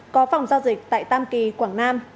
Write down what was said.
có phòng giao dịch tại tam kỳ quảng nam